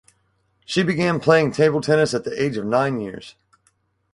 She began playing table tennis at the age of nine years.